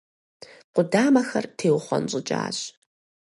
Къудамэхэр теухъуэнщӀыкӀащ.